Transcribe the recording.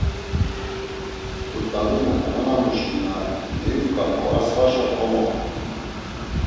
K̆ut̆avina, nanamuşi na meyuǩap̌u ar svaşa komoxt̆u.